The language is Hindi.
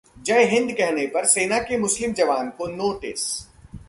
'जय हिंद' कहने पर सेना के मुस्लिम जवान को नोटिस